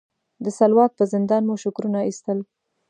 د سلواک په زندان مو شکرونه ایستل.